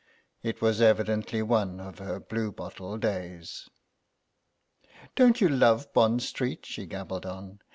It was evidently one of her bluebottle days. "Don't you love Bond Street?" she gabbled on.